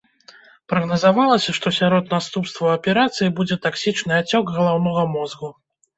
Прагназавалася, што сярод наступстваў аперацыі будзе таксічны ацёк галаўнога мозгу.